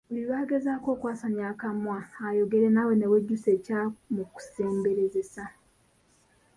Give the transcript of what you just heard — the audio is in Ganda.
Buli lwagezaako okwasamya akamwa ayogere naawe ne wejjusa ekyamukusemberesezza.